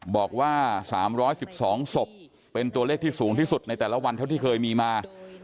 บอกว่า๓๑๒ศพเป็นตัวเลขที่สูงที่สุดในแต่ละวันเท่าที่เคยมีมา